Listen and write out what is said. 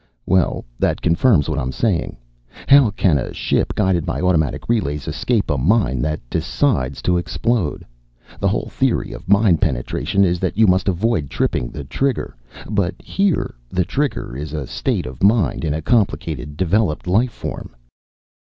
"Well, that confirms what I'm saying. How can a ship guided by automatic relays escape a mine that decides to explode? The whole theory of mine penetration is that you must avoid tripping the trigger. But here the trigger is a state of mind in a complicated, developed life form."